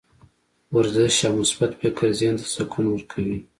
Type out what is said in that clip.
ورزش او مثبت فکر ذهن ته سکون ورکوي.